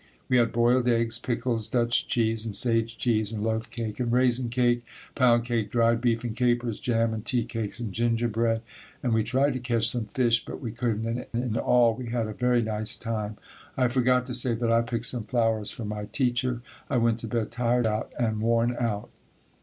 We had boiled eggs, pickles, Dutch cheese and sage cheese and loaf cake and raisin cake, pound cake, dried beef and capers, jam and tea cakes and gingerbread, and we tried to catch some fish but we couldn't, and in all we had a very nice time. I forgot to say that I picked some flowers for my teacher. I went to bed tired out and worn out."